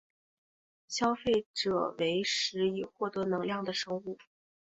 消费者为食以获得能量的生物。